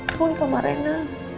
kamu di kamar rena